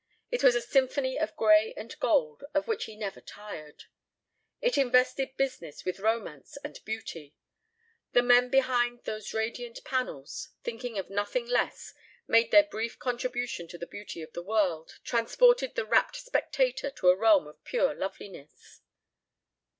It was a symphony of gray and gold, of which he never tired. It invested business with romance and beauty. The men behind those radiant panels, thinking of nothing less, made their brief contribution to the beauty of the world, transported the rapt spectator to a realm of pure loveliness.